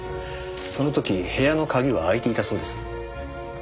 その時部屋の鍵は開いていたそうです。